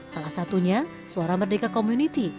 salah satunya suara merdeka community